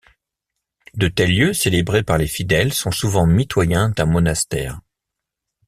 De tels lieux célébrés par les fidèles sont souvent mitoyens d'un monastère.